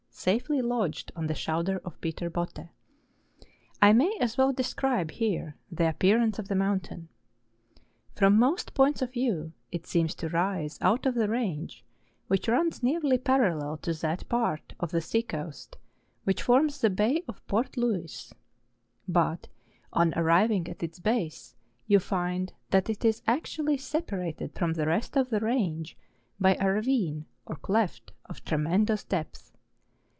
safely lodged on the shoulder of Peter Botte. I may as well describe here the appearance of the mountain. PVom most points of view it seems to rise out of the range which runs nearly parallel to that part of the sea coast which forms the Bay of Port Louis ; but on arriving at its base you find that it is actually sepa 252 MOUNTAIN ADVENTUKES. rated from the rest of the range by a ravine or cleft of tremendous depth.